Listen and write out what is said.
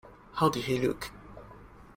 How did he look?